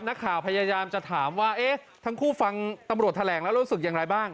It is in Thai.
นักข่าวพยายามจะถามว่าเอ๊ะทั้งคู่ฟังตำรวจแถลงแล้วรู้สึกอย่างไรบ้าง